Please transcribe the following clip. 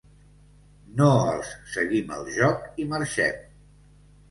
No els seguim el joc i marxem.